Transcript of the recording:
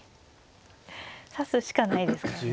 指すしかないですからね。